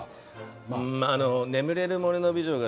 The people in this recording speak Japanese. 「眠れる森の美女」